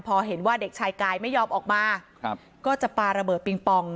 พอเห็นว่าเด็กชายกายไม่ยอมออกมาครับก็จะปาระเบิดปิงปอง